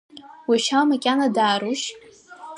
Ушьа макьана даарушь?